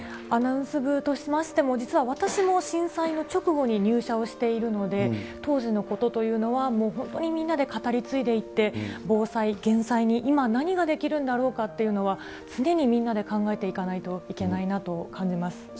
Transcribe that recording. アナウンス部としましても、実は私も震災の直後に入社をしているので、当時のことというのはもう本当にみんなで語り継いでいって、防災・減災に今何ができるんだろうかっていうのは、常にみんなで考えていかないといけないなと感じます。